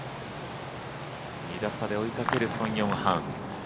２打差で追いかけるソン・ヨンハン。